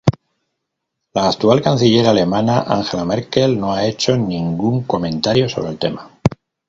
La actual canciller alemana, Angela Merkel no ha hecho ningún comentario sobre el tema.